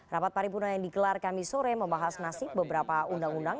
rapat paripurna yang dikelar kamis hore membahas nasib beberapa undang undang